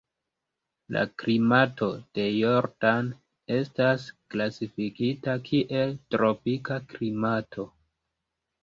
La klimato de Jordan estas klasifikita kiel tropika klimato.